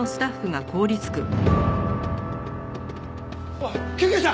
おい救急車！